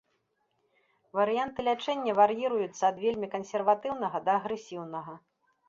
Варыянты лячэння вар'іруюцца ад вельмі кансерватыўнага да агрэсіўнага.